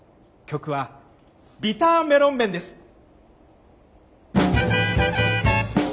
曲は「ビターメロンメン」です。